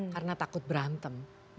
karena takut berantem